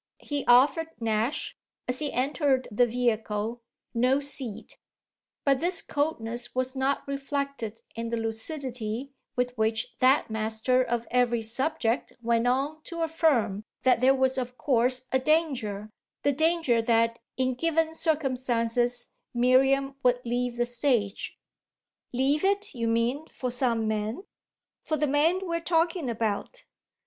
He offered Nash, as he entered the vehicle, no seat, but this coldness was not reflected in the lucidity with which that master of every subject went on to affirm that there was of course a danger the danger that in given circumstances Miriam would leave the stage. "Leave it, you mean, for some man?" "For the man we're talking about."